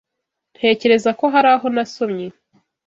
Ntekereza ko hari aho nasomye.